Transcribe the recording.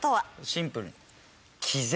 シンプルに。